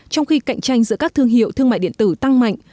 trong khi cạnh tranh giữa các thương hiệu thương mại điện tử tăng mạnh